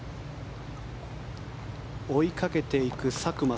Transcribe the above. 追いかけていく佐久間